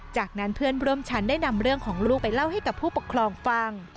จากนั้นเพื่อนร่วมชั้นได้นำเรื่องของลูกไปเล่าให้กับผู้ปกครองฟัง